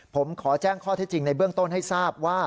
ผมขอแจ้งข้อเท็จจริงในเบื้องต้นให้ทราบว่า